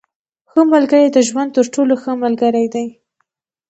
• ښه ملګری د ژوند تر ټولو ښه ملګری دی.